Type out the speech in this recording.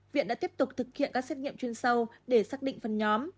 viện đã tiếp tục thực hiện các xét nghiệm chuyên sâu để xác định phần nhóm